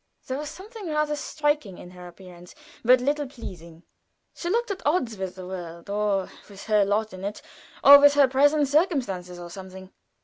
There was something rather striking in her appearance, but little pleasing. She looked at odds with the world, or with her lot in it, or with her present circumstances, or something.